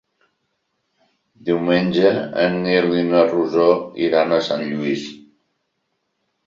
Diumenge en Nil i na Rosó iran a Sant Lluís.